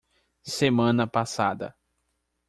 Semana passada